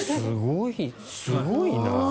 すごいな。